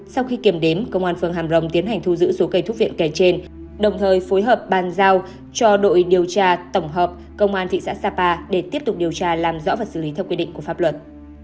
sau khi kiểm đếm công an phường hàm rồng tiến hành thu giữ số cây thúc viện kể trên đồng thời phối hợp bàn giao cho đội điều tra tổng hợp công an thị xã sapa để tiếp tục điều tra làm rõ và xử lý theo quy định của pháp luật